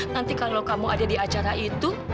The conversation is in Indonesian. nanti kalau kamu ada di acara itu